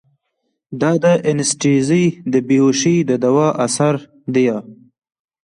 دا د انستيزي د بېهوشي د دوا اثر ديه.